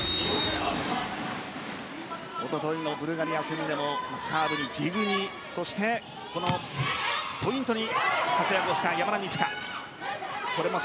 一昨日のブルガリア戦でもサーブにディグにそして、ポイントに活躍した山田二千華。